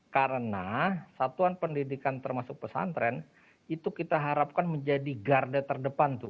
karena satuan pendidikan termasuk pesantren itu kita harapkan menjadi garda terdepan